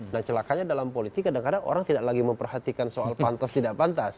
nah celakanya dalam politik kadang kadang orang tidak lagi memperhatikan soal pantas tidak pantas